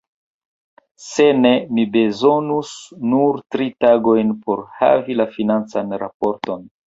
Se ne, mi bezonus nur tri tagojn por havi la financan raporton.